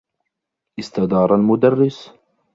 استدار المدرّس.